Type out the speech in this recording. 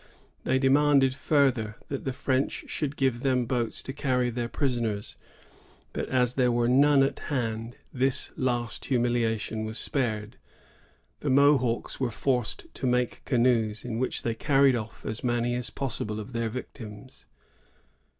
They demanded, further, that the French should give them boats to cany their prisoners; but, as there were none at hand, this last humiliation was spared. The Mohawks were forced to make canoes, in which they carried off as many as possible of their yictims.